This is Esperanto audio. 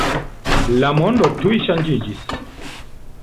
La mondo tuj ŝanĝiĝis.